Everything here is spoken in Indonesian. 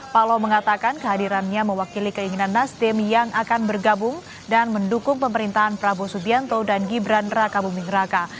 paloh mengatakan kehadirannya mewakili keinginan nasdem yang akan bergabung dan mendukung pemerintahan prabowo subianto dan gibran raka buming raka